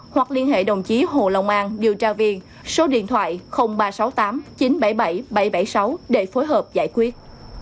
hoặc liên hệ đồng chí hồ lòng an điều tra viên số điện thoại ba trăm sáu mươi tám chín trăm bảy mươi bảy bảy trăm bảy mươi sáu để phối hợp giải quyết